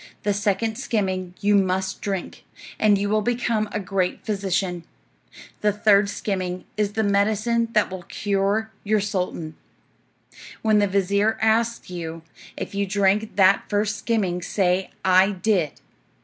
The second skimming you must drink, and you will become a great physician. The third skimming is the medicine that will cure your sultan. When the vizir asks you if you drank that first skimming say, 'I did.'